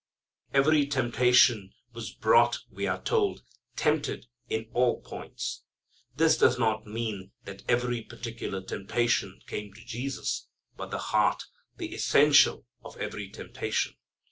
"Every temptation" was brought, we are told: "tempted in all points." This does not mean that every particular temptation came to Jesus, but the heart, the essential, of every temptation.